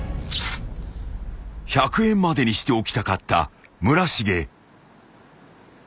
［１００円までにしておきたかった村重］